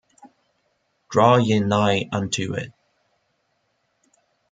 Draw ye nigh unto it.